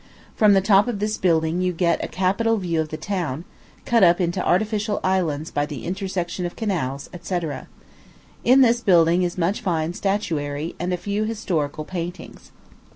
From the top of this building you get a capital view of the town, cut up into artificial islands by the intersection of canals, &c. In this building is much fine statuary, and a few historical paintings.